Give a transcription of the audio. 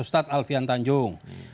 ustadz alfian tanjung